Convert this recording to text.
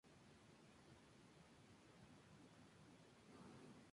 Vivaldi en persona fue el director y el violín solista en el estreno.